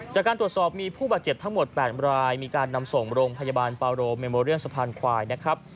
จากการตรวจสอบมีผู้บาดเจ็บทั้งหมด๘รายมีการนำส่งโรงพยาบาลปาโรเมโมเรียนสะพานควายนะครับ